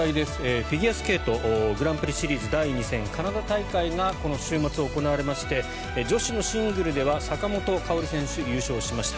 フィギュアスケートグランプリシリーズ第２戦カナダ大会がこの週末行われまして女子のシングルでは坂本花織選手が優勝しました。